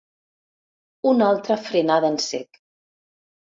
Una altra frenada en sec.